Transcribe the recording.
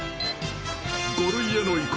［５類への移行。